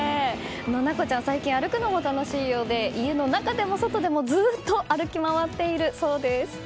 奈心ちゃんは最近、歩くのも楽しいようで家の中でも外でもずっと歩き回っているそうです。